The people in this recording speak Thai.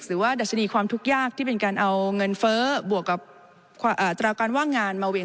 หรือว่าดัชนีความทุกข์ยากที่เป็นการเอาเงินเฟ้อบวกกับอัตราการว่างงานมาเวร